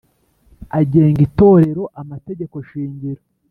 agenga itorero Amategeko shingiro